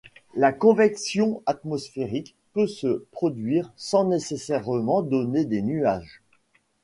La convection atmosphérique peut se produire sans nécessairement donner des nuages.